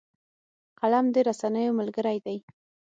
قلم د رسنیو ملګری دی